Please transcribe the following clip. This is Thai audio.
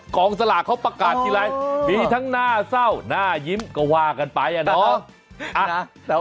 สลากเขาประกาศทีไรมีทั้งน่าเศร้าหน้ายิ้มก็ว่ากันไปอะเนาะ